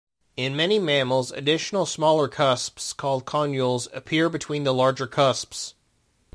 In many mammals, additional smaller cusps called conules appear between the larger cusps.